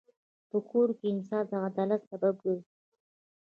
په کور کې انصاف د عدالت سبب ګرځي.